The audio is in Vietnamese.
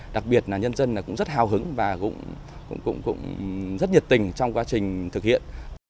đặc biệt là nhân dân cũng rất hào hứng và cũng rất nhiệt tình trong quá trình thực hiện